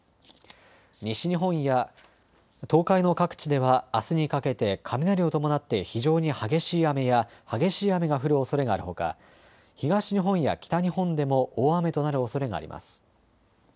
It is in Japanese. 西日本や東海の各地ではあすにかけて雷を伴って非常に激しい雨や激しい雨が降るおそれがあるほか東日本や北日本でも大雨となるおそれがあります。